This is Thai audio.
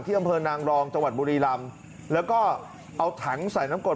อำเภอนางรองจังหวัดบุรีรำแล้วก็เอาถังใส่น้ำกด